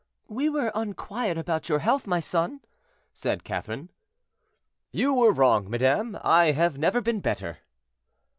"We were unquiet about your health, my son," said Catherine. "You were wrong, madame; I have never been better."